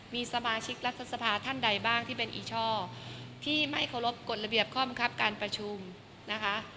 มีสมาชิกรัฐสภาท่านใดบ้างที่เป็นอีช่อที่ไม่เคารพกฎระเบียบข้อบังคับการประชุมนะคะ